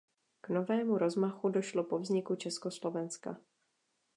K novému rozmachu došlo po vzniku Československa.